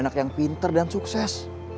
anak yang pinter dan sukses